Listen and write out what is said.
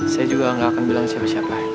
saya juga nggak akan bilang siapa siapa